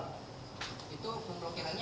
itu pemblokirannya hanya sampai